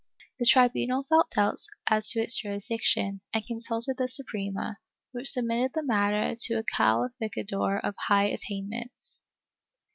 The tribunal felt doubts as to its jurisdiction and consulted the Suprema, which submitted the matter to a calificador of high attainments.